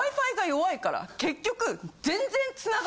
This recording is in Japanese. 結局。